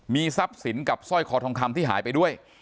มีทรัพย์สินกับสร้อยคอทองคำที่หายไปด้วย